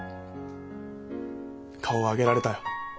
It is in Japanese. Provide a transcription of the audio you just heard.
顔を上げられたよ。